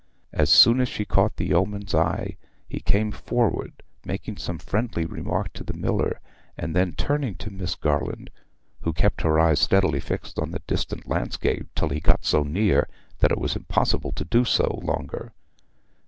As soon as she caught the yeoman's eye he came forward, making some friendly remark to the miller, and then turning to Miss Garland, who kept her eyes steadily fixed on the distant landscape till he got so near that it was impossible to do so longer.